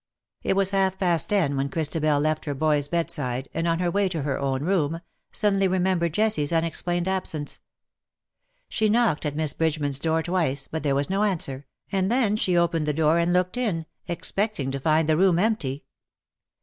It was half past ten when Christabel left hei boy^s bed side, and, on her way to her own room, suddenly remembered Jessie's unexplained absence. She knocked at Miss Bridgeman's door twice, but there was no answer, and then she opened the door and looked in, expecting to find the room empty.